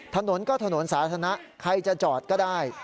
ถนนก็ถนนสาธารณะใครจะจอดก็ได้